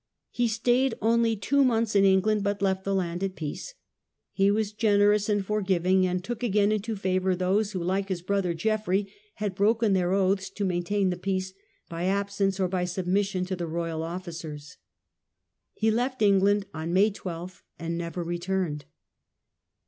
He stayed only two months in England, but left the land at peace. He was generous and forgiving, and took again into favour those who, like his brother Geoffrey, had broken their oaths to maintain the peace by absence or by submission to the royal officers. He left England on May 12, and never returned.